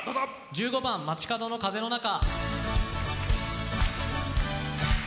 １５番「街角の風の中」。